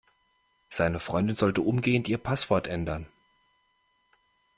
Seine Freundin sollte umgehend ihr Passwort ändern.